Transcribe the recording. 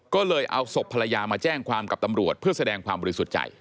ก็เลยเอาศพภรรยามาแจ้งความกับตำรวจเพื่อแสดงความบริสุทธิ์ใจ